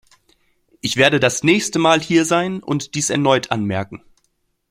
Ich werde das nächste Mal hier sein und dies erneut anmerken.